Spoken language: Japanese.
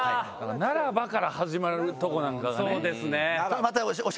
「ならば」から始まるとこなんかが。